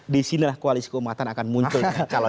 di sini lah koalisi keumatan akan muncul